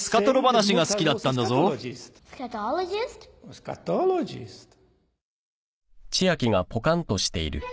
スカトロジスト［